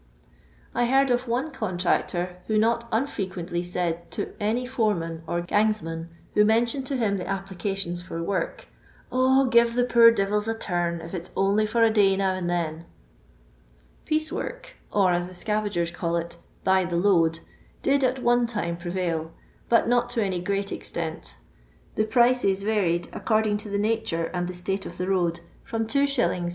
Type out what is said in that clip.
1 heard of one contractor who not unfrequently said to any foreman or gangsman who mentioned to him the applications for work, '* 0, give the poor devils a turn, if it 's only for a day now and then." Ptece ieork, or, as the scavagers call it, " by the load," did at one time prevail, but not to any great extent The prices varied, according to the nature and the state of the road, from 2s.